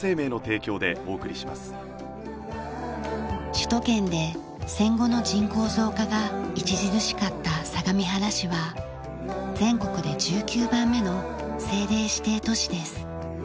首都圏で戦後の人口増加が著しかった相模原市は全国で１９番目の政令指定都市です。